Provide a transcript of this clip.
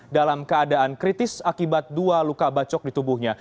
dalam keadaan kritis akibat dua luka bacok di tubuhnya